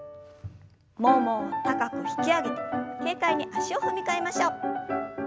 ももを高く引き上げて軽快に足を踏み替えましょう。